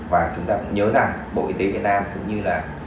và chúng ta cũng nhớ rằng bộ y tế việt nam cũng như là